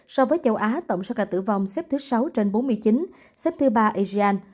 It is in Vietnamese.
so với châu á tổng số ca tử vong xếp thứ sáu trên bốn mươi chín xếp thứ ba asean